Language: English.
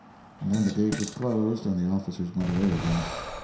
"—and then the gate was closed and the officers went away again.